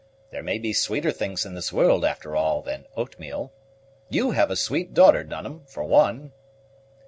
There may be sweeter things in this world, after all, than oatmeal. You have a sweet daughter, Dunham, for one."